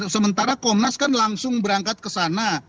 sementara komnas kan langsung berangkat kesana